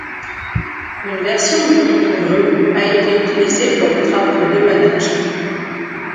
Une version munie d'une grue a été utilisée pour les travaux de dépannage.